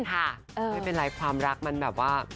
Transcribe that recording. ไม่เป็นไรความรักมันแบบว่า